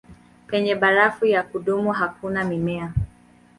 Penye barafu ya kudumu hakuna mimea.